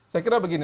saya kira begini